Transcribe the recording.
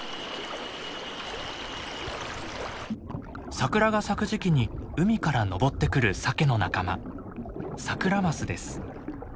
桜が咲く時期に海から上ってくるサケの仲間サクラマスです。